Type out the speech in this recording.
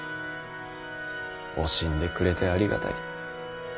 惜しんでくれてありがたい。